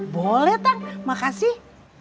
boleh tang makasih